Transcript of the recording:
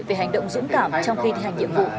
về hành động dũng cảm trong khi thi hành nhiệm vụ